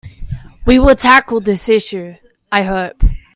We will tackle this issue, I hope.